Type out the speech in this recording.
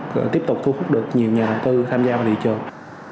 rồi tiếp tục thu hút được nhiều nhà đầu tư tham gia vào thị trường